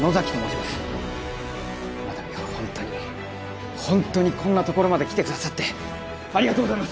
このたびは本当に、本当にこんなところまで来てくださってありがとうございます！